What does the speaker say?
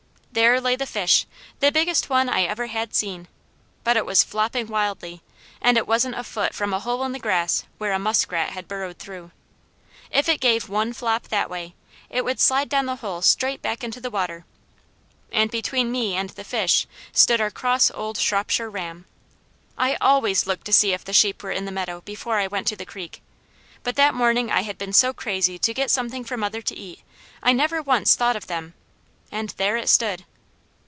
There lay the fish, the biggest one I ever had seen, but it was flopping wildly, and it wasn't a foot from a hole in the grass where a muskrat had burrowed through. If it gave one flop that way, it would slide down the hole straight back into the water; and between me and the fish stood our cross old Shropshire ram. I always looked to see if the sheep were in the meadow before I went to the creek, but that morning I had been so crazy to get something for mother to eat, I never once thought of them and there it stood!